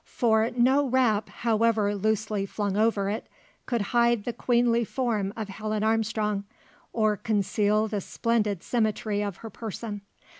For no wrap however loosely flung over it, could hide the queenly form of Helen Armstrong, or conceal the splendid symmetry of her person.